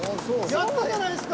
やったじゃないですか！